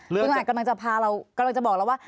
คุณอัดกำลังจะพาเรากำลังจะบอกเราว่า